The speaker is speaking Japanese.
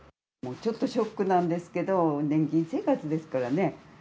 ちょっとショックなんですけど、年金生活ですからね。